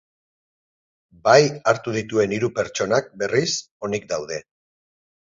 Bahi hartu dituen hiru pertsonak, berriz, onik daude.